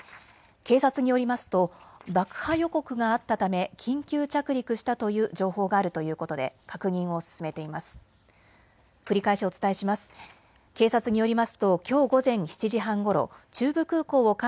警察によりますと爆発予告があったため緊急着陸したという情報があるということで確認を進めています。